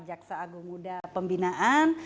jaksa agung muda pembinaan